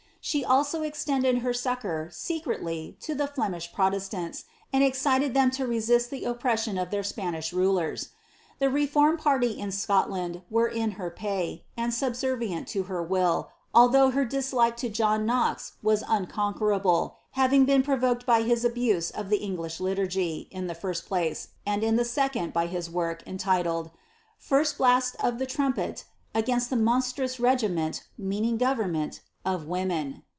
She also extended her succour, secretly, to the Flemish Protestants, and excited them to resist the oppression of their Spanish rulers. The reformed party in Scotland were in her pay, and subservient to her will, although her dislike to John Knox was uncon querable, having been provoked by his abuse of the English Litur^', in the first place, and in the second, by his work, entitled, ^ First Blast of the Trumpet against the Monstrous Regiment (meaning government) of Women.''